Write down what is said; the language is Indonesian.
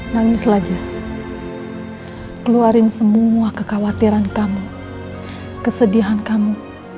nangis lajis keluarin semua kekhawatiran kamu kesedihan kamu